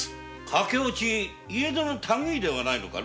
駆け落ち家出のたぐいではないのかのう？